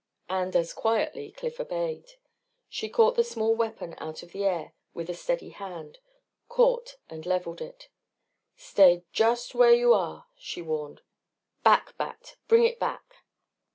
And as quietly Cliff obeyed. She caught the small weapon out of the air with a steady hand caught and leveled it. "Stay just where you are!" she warned. "Back, Bat, bring it back!"